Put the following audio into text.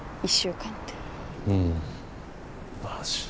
１週間ってうんまあ